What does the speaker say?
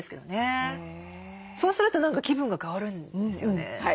そうすると何か気分が変わるんですよね。